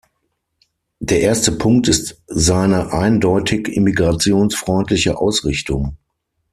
Der erste Punkt ist seine eindeutig immigrationsfreundliche Ausrichtung.